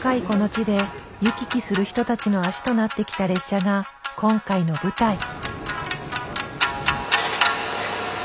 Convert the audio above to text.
この地で行き来する人たちの足となってきた列車が今回の舞台。